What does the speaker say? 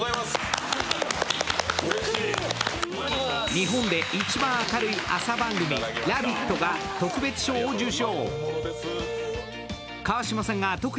日本でいちばん明るい朝番組「ラヴィット！」が特別賞を受賞。